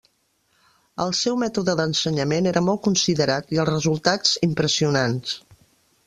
El seu mètode d'ensenyament era molt considerat i els resultats, impressionants.